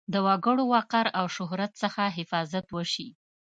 د وګړو وقار او شهرت څخه حفاظت وشي.